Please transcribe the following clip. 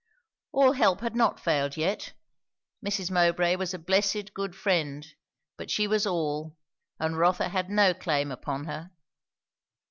All help had not failed yet; Mrs. Mowbray was a blessed good friend; but she was all, and Rotha had no claim upon her.